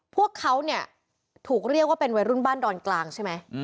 พวกเขาเนี่ยถูกเรียกว่าเป็นวัยรุ่นบ้านดอนกลางใช่ไหม